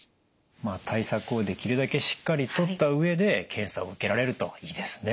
まあ対策をできるだけしっかりとった上で検査を受けられるといいですね。